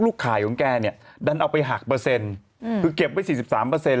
ลูกขายของแกเนี่ยดันเอาไปหักเปอร์เซ็นต์เก็บไป๔๓เปอร์เซ็นต์